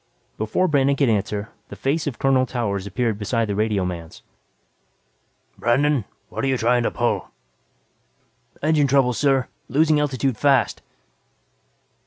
Before Brandon could answer, the face of Colonel Towers appeared beside the radioman's. "Brandon, what're you trying to pull?" "Engine trouble, sir. Losing altitude fast."